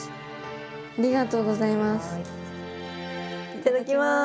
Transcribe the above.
いただきます！